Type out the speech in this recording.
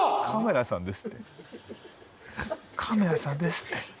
カメラさんですって。